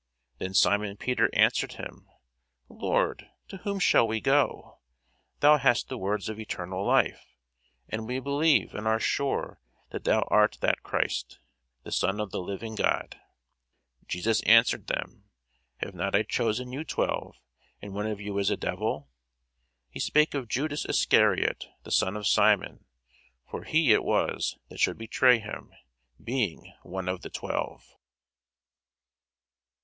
Then Simon Peter answered him, Lord, to whom shall we go? thou hast the words of eternal life. And we believe and are sure that thou art that Christ, the Son of the living God. Jesus answered them, Have not I chosen you twelve, and one of you is a devil? He spake of Judas Iscariot the son of Simon: for he it was that should betray him, being one of the twelve.